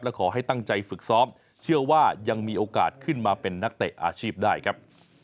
และขอให้ตั้งใจฝึกซ้อมเชื่อว่ายังมีโอกาสขึ้นมาเป็นนักเตะอาชีพได้ครับ